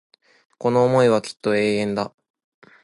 この思いはきっと永遠だ